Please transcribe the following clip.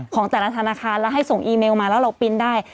ของแต่ละธนาคารแล้วให้ส่งอีเมลมาแล้วเราปินได้